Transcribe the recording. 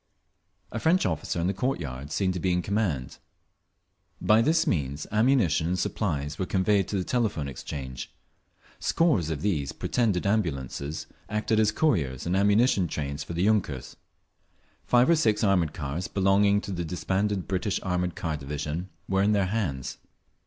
A French officer, in the court yard, seemed to be in command…. By this means ammunition and supplies were conveyed to the Telephone Exchange. Scores of these pretended ambulances acted as couriers and ammunition trains for the yunkers. Five or six armoured cars, belonging to the disbanded British Armoured Car Division, were in their hands.